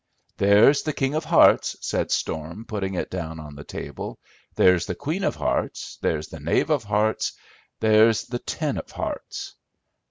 "There's the king of hearts," said Storm, putting it down on the table. "There's the queen of hearts, there's the knave of hearts, there's the ten of hearts.